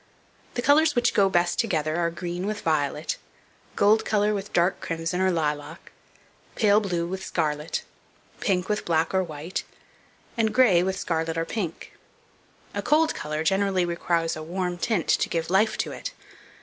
The colours which go best together are green with violet; gold colour with dark crimson or lilac; pale blue with scarlet; pink with black or white; and gray with scarlet or pink. A cold colour generally requires a warm tint to give life to it.